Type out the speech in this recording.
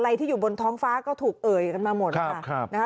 ที่อยู่บนท้องฟ้าก็ถูกเอ่ยกันมาหมดค่ะนะคะ